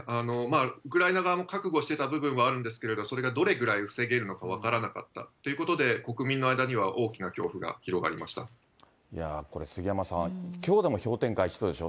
ウクライナ側も覚悟していた部分もあるんですが、それがどれぐらい防げるのか分からなかったということで、国民の間には大きな恐これ、杉山さん、きょうでも氷点下１度でしょ。